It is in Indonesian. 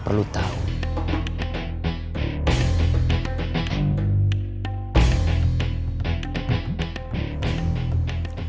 anda adalah tidak avec